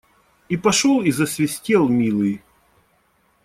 И пошел и засвистел, милый.